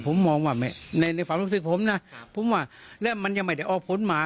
ผมมองว่าในความรู้สึกผมนะผมว่าและมันยังไม่ได้ออกผลมา